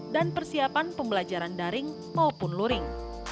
dan persiapan pembelajaran daring maupun luring